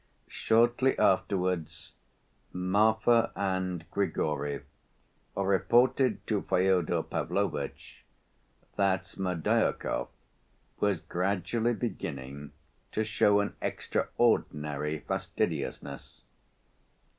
Shortly afterwards Marfa and Grigory reported to Fyodor Pavlovitch that Smerdyakov was gradually beginning to show an extraordinary fastidiousness.